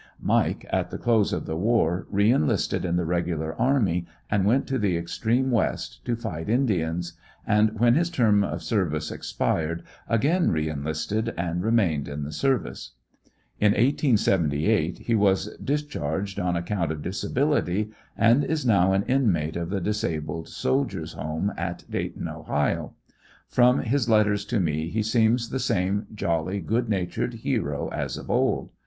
Mike, at the close of the war. re enlisted in the regular army and went to the extreme west to fight Indians, and when his term of service expired again re enlisted and remained in the service. In 1878 he was discharged on account of disability, and is now an inmate of the Disabled Soldier's Home, at Dayton, Ohio. From his letters to me he seems the same jolly, good natured hero as of old.